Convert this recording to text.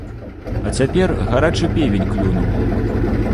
А цяпер гарачы певень клюнуў.